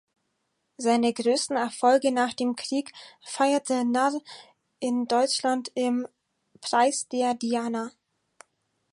Seine größten Erfolge nach dem Krieg feierte Narr in Deutschland im "Preis der Diana".